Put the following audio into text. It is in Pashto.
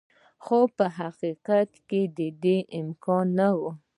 خو په واقعیت کې د دې امکان نه و.